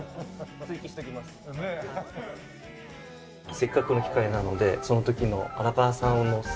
せっかくの機会なのでその時の荒川さんのお姿を。